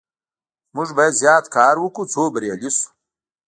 موږ باید زیات کار وکړو څو بریالي شو.